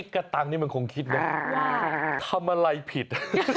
กระตังค์นี้มันคงคิดนะทำอะไรผิด